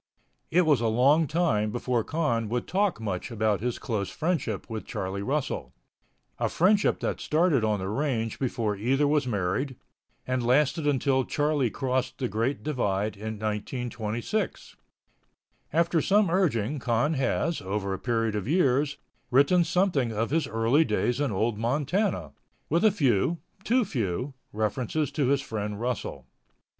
It was a long time before Con would talk much about his close friendship with Charlie Russell—a friendship that started on the range before either was married, and lasted until Charlie crossed the Big Divide in 1926. After some urging Con has, over a period of years, written something of his early days in Old Montana, with a few, too few, references to his friend Russell.